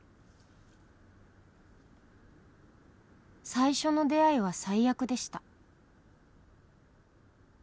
「最初の出会いは最悪でした」